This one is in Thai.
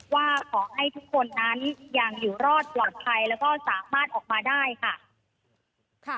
ว่าขอให้ทุกคนนั้นยังอยู่รอดปลอดภัยแล้วก็สามารถออกมาได้ค่ะ